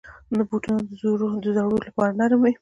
بوټونه د زړو لپاره نرم وي.